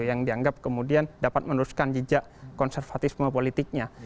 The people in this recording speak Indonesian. yang dianggap kemudian dapat meneruskan jejak konservatisme politiknya